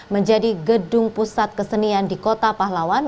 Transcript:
menjadi gedung pusat kesenian di kota pahlawan